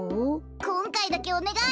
こんかいだけおねがい！